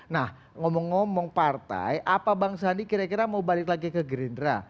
nah ngomong ngomong partai apa bang sandi kira kira mau balik lagi ke gerindra